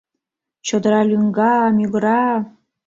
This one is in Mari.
Чодыра лӱҥга, мӱгыра.